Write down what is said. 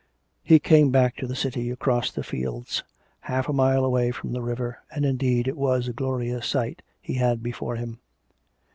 He came back to the City across the fields, half a mile away from the river, and, indeed, it was a glorious sight he had before him.